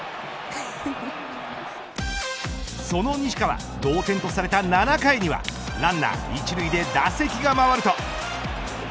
その西川同点とされた７回にはランナー一塁で打席が回ると。